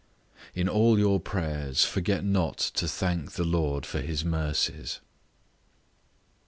In all your prayers, forget not to thank the Lord for his mercies.